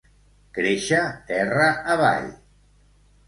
Créixer terra avall.